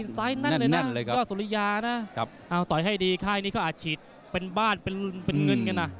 ซ้ายแน่นเลยนะยอดสุริยานะเอาต่อยให้ดีค่ายนี้เขาอาจฉีดเป็นบ้านเป็นเงินกันนะ